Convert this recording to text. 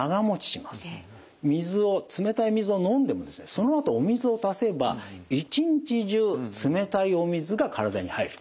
冷たい水を飲んでもですねそのあとお水を足せば一日中冷たいお水が体に入ると。